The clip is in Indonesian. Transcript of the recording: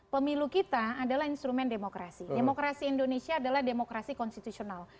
pemilu kita adalah instrumen demokrasi demokrasi indonesia adalah demokrasi konstitusional